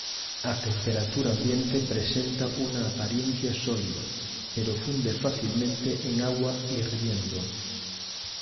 A temperatura ambiente presenta una apariencia sólida, pero funde fácilmente en agua hirviendo.